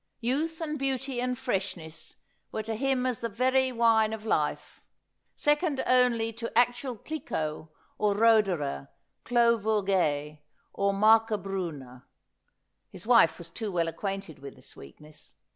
Youth and beauty and freshness were to him as the very wine of life — second only to actual Cliquot, or Roederer, Clos Vougeot, or Marcobriinner. His wife was too well acquainted with this weakness.